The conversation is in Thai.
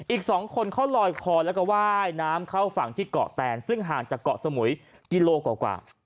อีก๒คนเขาลอยคอแล้วก็ว่ายน้ำเข้าฝั่งที่เกาะแตนซึ่งห่างจากเกาะสมุยกิโลกว่า